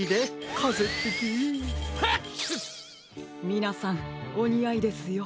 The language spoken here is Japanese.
みなさんおにあいですよ。